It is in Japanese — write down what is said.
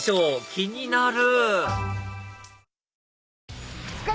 気になる！